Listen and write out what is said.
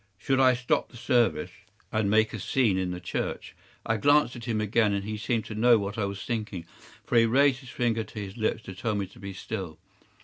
Should I stop the service and make a scene in the church? I glanced at him again, and he seemed to know what I was thinking, for he raised his finger to his lips to tell me to be still.